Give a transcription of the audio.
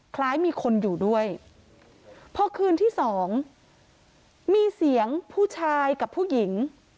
คล้ายมีคนอยู่ด้วยพอคืนที่สองมีเสียงผู้ชายกับผู้หญิง